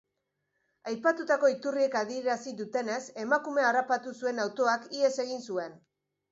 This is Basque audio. Aipatutako iturriek adierazi dutenez, emakumea harrapatu zuen autoak ihes egin zuen.